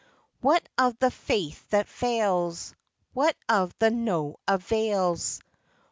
What of the faith that fails ? What of the no avails